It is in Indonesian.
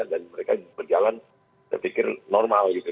dan mereka berjalan saya pikir normal gitu ya